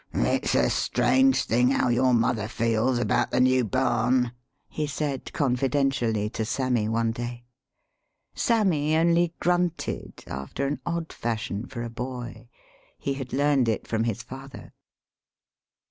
"It's a strange thing how your mother feels about the new barn," he said, confidentially, to Sammy one day. Sammy only grunted after an odd fashion for a boy; he had learned it from his father.